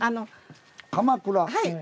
鎌倉？